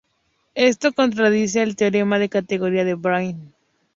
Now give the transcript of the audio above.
Esto contradice el Teorema de categoría de Baire.